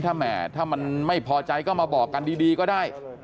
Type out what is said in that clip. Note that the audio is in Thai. ถ้าแหมถ้ามันไม่พอใจก็มาบอกกันดีก็ได้